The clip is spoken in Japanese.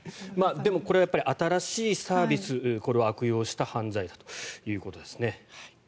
でも、これは新しいサービスを悪用した犯罪だということですね。